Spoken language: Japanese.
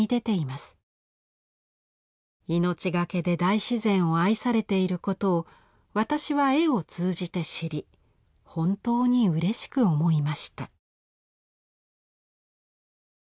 命がけで大自然を愛されている事を私は絵を通じて知り本当に嬉しく思いました」。